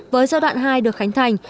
với giai đoạn hai được khánh thành